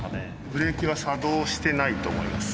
ブレーキは作動してないと思います。